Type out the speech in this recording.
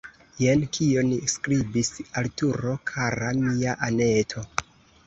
Jen kion skribis Arturo: « Kara mia Anneto!